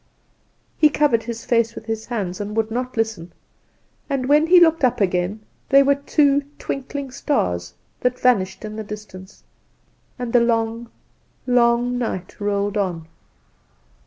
"He covered his face with his hands and would not listen; and when he looked up again they were two twinkling stars, that vanished in the distance. "And the long, long night rolled on.